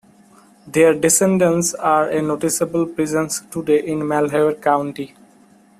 Their descendants are a noticeable presence today in Malheur County.